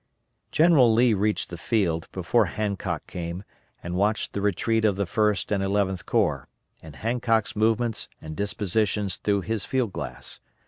General Lee reached the field before Hancock came, and watched the retreat of the First and Eleventh Corps, and Hancock's movements and dispositions through his field glass.